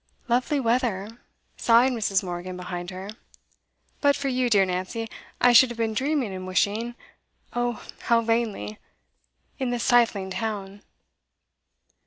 'Lovely weather!' sighed Mrs. Morgan behind her. 'But for you, dear Nancy, I should have been dreaming and wishing oh, how vainly! in the stifling town.